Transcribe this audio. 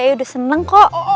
ya udah seneng kok